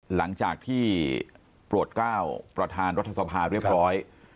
หลังจากที่โปรดก้าวประธานรัฐสภาเรียบร้อย